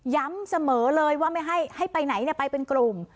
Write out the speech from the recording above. ย้ำเสมอเลยว่าไม่ให้ไปไหนไปเป็นกลุ่ม